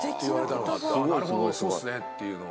なるほどそうっすねっていうのを。